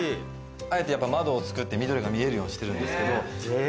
あえて窓を作って緑が見えるようにしてるんですけど。